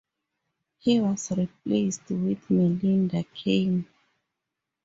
He was replaced with Melinda Kane.